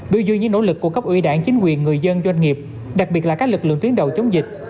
biểu dư những nỗ lực của cấp ủy đảng chính quyền người dân doanh nghiệp đặc biệt là các lực lượng tuyến đầu chống dịch